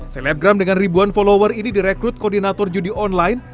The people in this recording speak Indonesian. selebgram dengan ribuan follower ini direkrut koordinator judi online